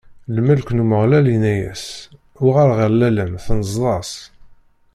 Lmelk n Umeɣlal inna-as: Uɣal ɣer lalla-m tanzeḍ-as.